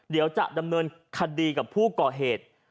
เดี๋ยวจะดำเนินคดีกับผู้ก่อเหตุ